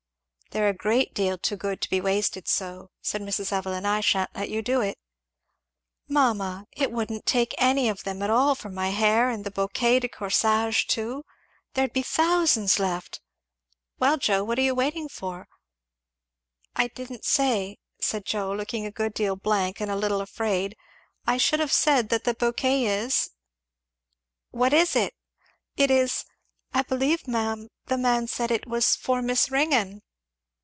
"They're a great deal too good to be wasted so," said Mrs. Evelyn; "I sha'n't let you do it." "Mamma! it wouldn't take any of them at all for my hair and the bouquet de corsage too there'd be thousands left Well Joe, what are you waiting for?" "I didn't say," said Joe, looking a good deal blank and a little afraid, "I should have said that the bouquet is " "What is it?" "It is I believe, ma'am, the man said it was for Miss Ringgan."